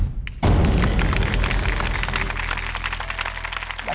แล้วกันนะครับ